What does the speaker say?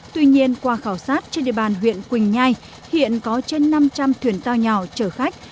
tuy nhiên qua khảo sát trên địa bàn huyện quỳnh nhai hiện có trên năm trăm linh thuyền to nhỏ chở khách